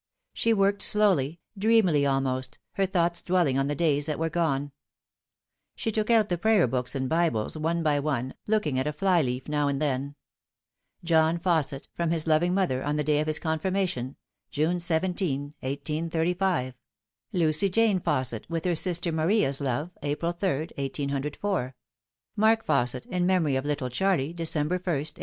She worked slowly, dreamily almost, her thoughts dwell ing on the days that were gone. She took out the Prayer Books and Bibles one by one, look ing at a fly leaf now and then. John Fausset, from his loving mother, on the day of his confirmation, June 17, 1835 ; Lucy Jane Fausset, with her sister Maria's love, April 3, 1804 ; Mark Fausset, in memory of little Charlie, December 1, 1807.